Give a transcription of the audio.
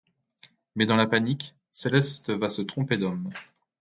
Mais dans la panique, Céleste va se tromper d'homme...